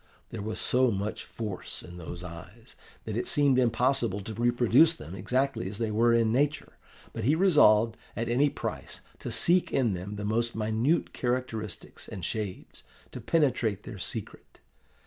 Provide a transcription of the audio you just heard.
There was so much force in those eyes, that it seemed impossible to reproduce them exactly as they were in nature. But he resolved, at any price, to seek in them the most minute characteristics and shades, to penetrate their secret.